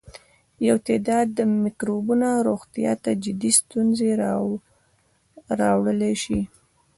یو تعداد مکروبونه روغتیا ته جدي ستونزې راولاړولای شي.